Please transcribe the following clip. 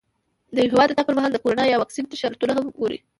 د یو هېواد د تګ پر مهال د کرونا یا واکسین شرطونه هم وګوره.